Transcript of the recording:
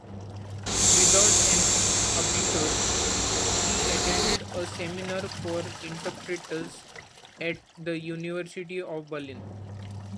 Without an "Abitur", she attended a seminar for interpreters at the University of Berlin.